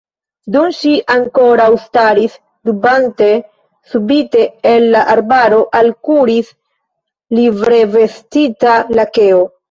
Dum ŝi ankoraŭ staris dubante, subite el la arbaro alkuris livrevestita lakeo